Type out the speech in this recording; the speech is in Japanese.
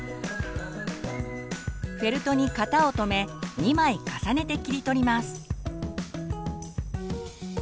フェルトに型をとめ２枚重ねて切り取ります。